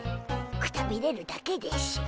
くたびれるだけでしゅ。